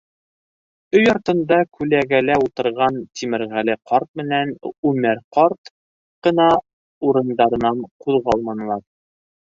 Өй артында күләгәлә ултырған Тимерғәле ҡарт менән Үмәр ҡарт ҡына урындарынан ҡуҙғалманылар.